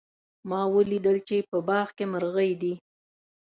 ما ولیدل چې په باغ کې مرغۍ دي